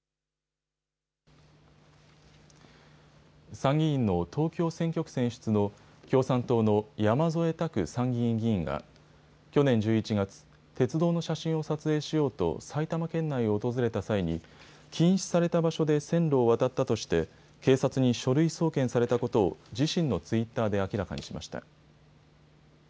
参議院の東京選挙区選出の共産党の山添拓参議院議員が去年１１月、鉄道の写真を撮影しようと埼玉県内を訪れた際に、禁止された場所で線路を渡ったとして、警察に書類送検されたことを自身のツイッターで明らかにしました。